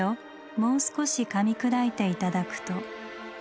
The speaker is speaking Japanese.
もう少しかみ砕いて頂くと。